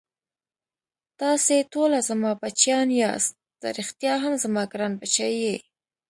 تاسې ټوله زما بچیان یاست، ته ريښتا هم زما ګران بچی یې.